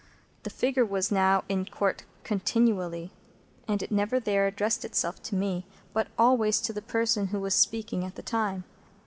The figure was now in Court continually, and it never there addressed itself to me, but always to the person who was speaking at the time.